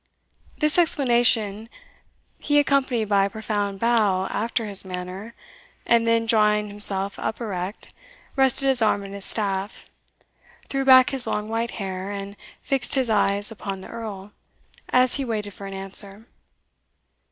This explanation he accompanied by a profound bow after his manner, and then, drawing himself up erect, rested his arm on his staff, threw back his long white hair, and fixed his eyes upon the Earl, as he waited for an answer.